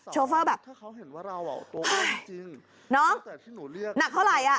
โชเฟอร์แบบน้องหนักเท่าไร